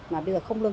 mà bây giờ không lưng